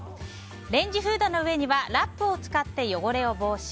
レンジフードの上にはラップを使って汚れを防止。